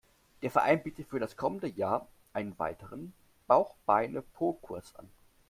Der Verein bietet für das kommende Jahr einen weiteren Bauch-Beine-Po-Kurs an.